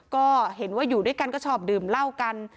ก็เห็นว่าอยู่ด้วยกันก็ชอบดื่มเหล้ากัน